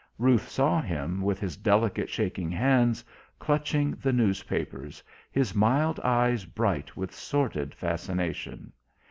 Ruth saw him, with his delicate shaking hands clutching the newspapers, his mild eyes bright with sordid fascination.